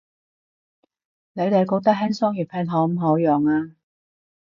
你哋覺得輕鬆粵拼好唔好用啊